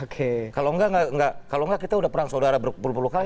kalau enggak kita udah perang saudara berpuluh puluh kali